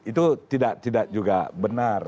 itu tidak juga benar